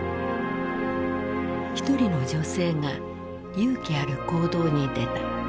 １人の女性が勇気ある行動に出た。